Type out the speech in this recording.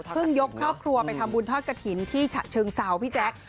พึ่งยกครอบครัวไปทำบุญทอดกะทินที่ชะเชิงเศร้าพี่แจ๊ก